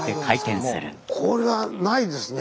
これはないですね！